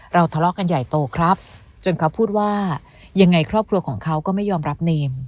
ทะเลาะกันใหญ่โตครับจนเขาพูดว่ายังไงครอบครัวของเขาก็ไม่ยอมรับเนม